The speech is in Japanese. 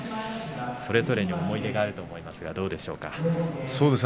それぞれに思い出があると思いますがどうでしょうか。